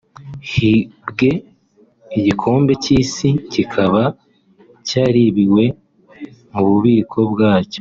hibwe igikombe cy’isi kikaba cyaribiwe mu bubiko bwacyo